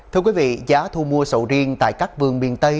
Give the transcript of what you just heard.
thưa quý vị giá thu mua sầu riêng tại các vườn miền tây